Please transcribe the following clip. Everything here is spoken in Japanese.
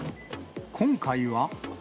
今回は。